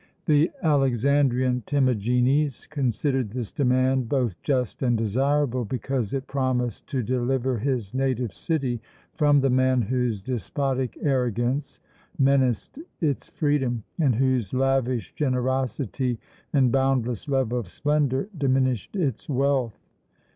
The Alexandrian Timagenes considered this demand both just and desirable, because it promised to deliver his native city from the man whose despotic arrogance menaced its freedom, and whose lavish generosity and boundless love of splendour diminished its wealth.